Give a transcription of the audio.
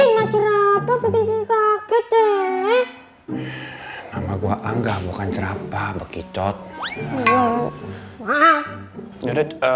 ini macerah begitu kede nama gua angga bukan cerah apa begitu